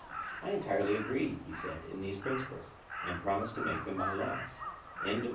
I entirely agree, he said, in these principles, and promise to make them my laws. BOOK III.